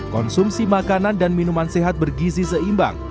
konsumsi makanan dan minuman sehat bergizi seimbang